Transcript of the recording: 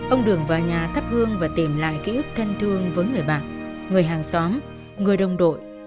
ông đường vào nhà thắp hương và tìm lại ký ức thân thương với người bạn người hàng xóm người đồng đội